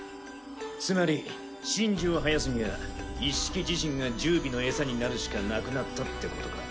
つまり神樹を生やすにはイッシキ自身が十尾の餌になるしかなくなったってことか。